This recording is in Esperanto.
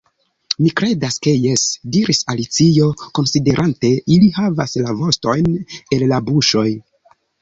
"Mi kredas ke jes," diris Alicio, konsiderante. "Ili havas la vostojn en la buŝoj. »